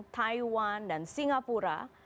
taiwan dan singapura